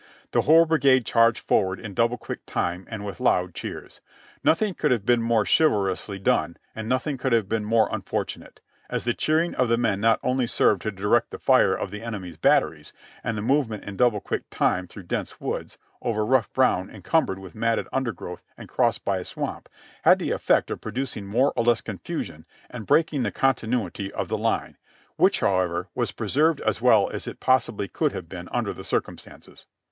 The whole brigade charged forward in double quick time and with loud cheers ; nothing could ha\"e been more chivalrously done and nothing could have been more unfortunate, as the cheering of the men only served to direct the fire of the enemy's batteries, and the movement in double quick time through dense woods, over rough ground encumbered with matted undergrowth and crossed by a swamp, had the efifect of producing more or less confusion and breaking the continuity of the line, which, however, was preserved as well as it possibly could have been under the circumstances.